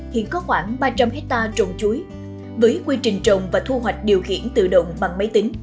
hiện có khoảng ba trăm linh hectare trồng chuối với quy trình trồng và thu hoạch điều khiển tự động bằng máy tính